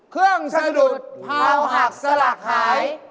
เครื่องสะดุดพาวหักสลากหาย